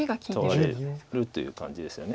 取られるという感じですよね。